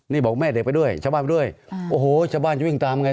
นี่บอกแม่เด็กไปด้วยชาวบ้านไปด้วยโอ้โหชาวบ้านจะวิ่งตามไง